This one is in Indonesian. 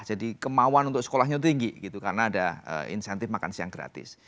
jadi kemauan untuk sekolahnya tinggi karena ada insentif makan siang gratis